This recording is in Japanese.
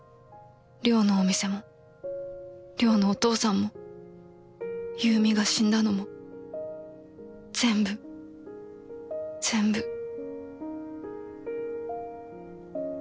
稜のお店も稜のお父さんも優美が死んだのも全部全部